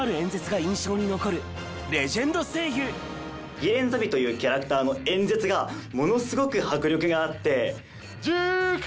ギレン・ザビというキャラクターの演説がものスゴく迫力があって。